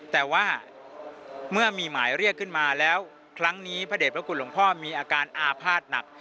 แต่ว่าเมื่อมีหมายเรียกขึ้นมาแล้วครั้งนี้พระเด็จพระคุณหลวงพ่อมีอาการอาภาษณ์หนัก